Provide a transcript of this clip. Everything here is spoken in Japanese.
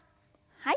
はい。